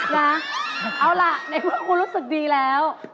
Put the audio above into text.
นะเอาล่ะในเมื่อคุณรู้สึกดีแล้ว